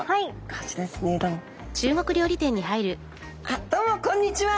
あっどうもこんにちは！